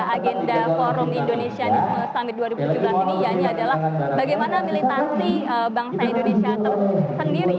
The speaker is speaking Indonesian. agenda forum indonesianism summit dua ribu tujuh belas ini ianya adalah bagaimana militansi bangsa indonesia tersendiri